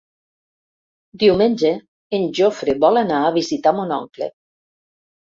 Diumenge en Jofre vol anar a visitar mon oncle.